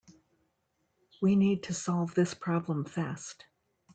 We need to solve this problem fast.